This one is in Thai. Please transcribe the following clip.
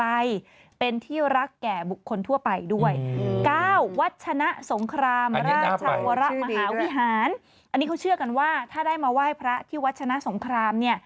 อันนี้เขาเชื่อกันว่าถ้าได้มาไหว้พระที่วัชนะสงครามเนี่ย